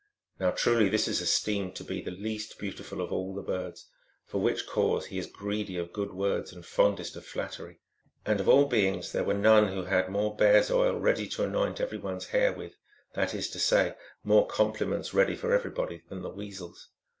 Now truly this is esteemed to be the least beautiful of all the birds, for which cause he is greedy of good words and fondest of flattery. And of all beings there were none who had more bear s oil ready to anoint every one s hair with that is to say, more compliments ready for everybody than the Weasels.